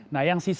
nah yang sisanya